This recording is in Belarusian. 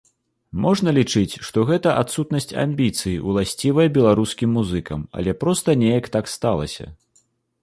Можна лічыць, што гэта адсутнасць амбіцый, уласцівая беларускім музыкам, але проста неяк так сталася.